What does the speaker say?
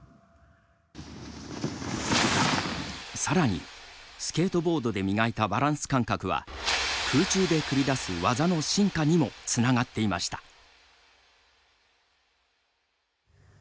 さらに、スケートボードで磨いたバランス感覚は空中で繰り出す技の進化にもつながっていました。